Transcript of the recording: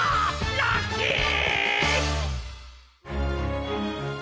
ラッキー！